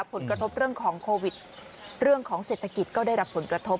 ผลกระทบเรื่องของโควิดเรื่องของเศรษฐกิจก็ได้รับผลกระทบ